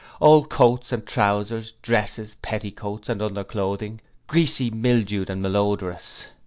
Old coats and trousers, dresses, petticoats, and under clothing, greasy, mildewed and malodorous.